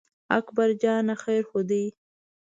اکبر جانه خیر خو دی.